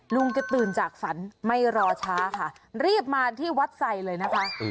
ลุงแกตื่นจากฝันไม่รอช้าค่ะรีบมาที่วัดใส่เลยนะคะ